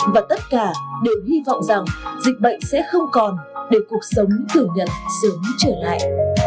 và tất cả đều hy vọng rằng dịch bệnh sẽ không còn để cuộc sống thường nhật sớm trở lại